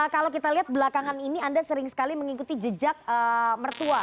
kalau kita lihat belakangan ini anda sering sekali mengikuti jejak mertua